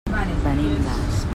Venim d'Asp.